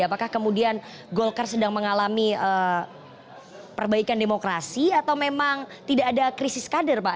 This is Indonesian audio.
apakah kemudian golkar sedang mengalami perbaikan demokrasi atau memang tidak ada krisis kader pak